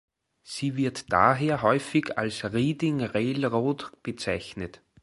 Sie wird daher häufig als die "Reading Railroad" bezeichnet.